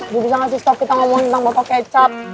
ibu bisa ngasih stop kita ngomongin tentang botol kecap